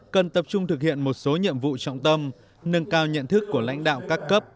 cần tập trung thực hiện một số nhiệm vụ trọng tâm nâng cao nhận thức của lãnh đạo các cấp